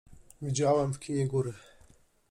Widziałam w kinie góry.